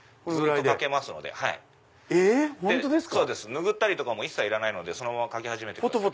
拭ったりとか一切いらないのでそのまま書き始めてください。